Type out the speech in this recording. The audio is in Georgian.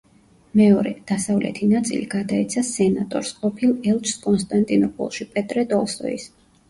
მეორე, დასავლეთი ნაწილი გადაეცა სენატორს, ყოფილ ელჩს კონსტანტინოპოლში პეტრე ტოლსტოის.